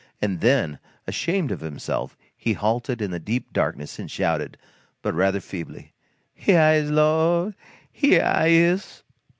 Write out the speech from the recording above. And then, ashamed of himself, he halted in the deep darkness and shouted, (but rather feebly:) "Heah I is, Lord, heah I is!"